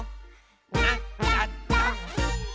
「なっちゃった！」